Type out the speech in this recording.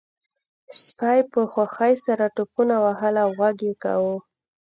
سپي په خوښۍ سره ټوپونه وهل او غږ یې کاوه